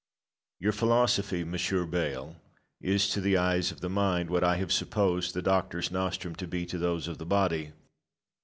Your philosophy, Monsieur Bayle, is to the eyes of the mind what I have supposed the doctor's nostrum to be to those of the body.